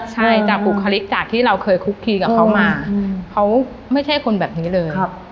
ใช่จากบุคลิกจากที่เราเคยคุกคีกับเขามาเขาไม่ใช่คนแบบนี้เลย